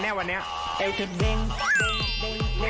สบัดขาวเด็ก